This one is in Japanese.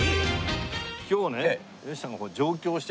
今日はね。